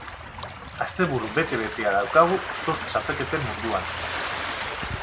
Asteburu bete-betea daukagu surf txapelketen munduan.